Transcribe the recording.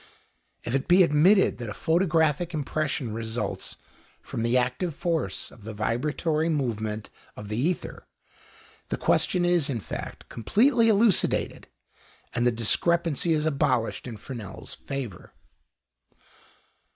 If it be admitted that a photographic impression results from the active force of the vibratory movement of the ether, the question is, in fact, completely elucidated, and the discrepancy is abolished in Fresnel's favour.